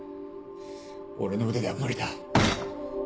俺の腕では無理だ。